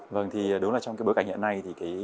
vâng thì đúng là trong bối cảnh hiện nay